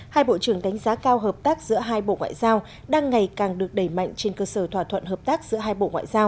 hai bộ trưởng đánh giá cao hợp tác giữa hai bộ ngoại giao đang ngày càng được đẩy mạnh trên cơ sở thỏa thuận hợp tác giữa hai bộ ngoại giao